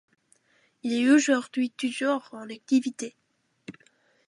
Il est aujourd’hui toujours en activité.